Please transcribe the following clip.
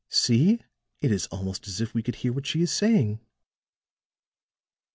See, it is almost as if we could hear what she is saying!"